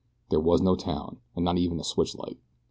There was no town, and not even a switch light.